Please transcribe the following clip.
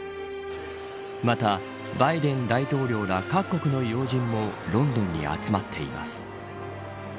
また、バイデン大統領ら各国の要人もロンドンに集まっています。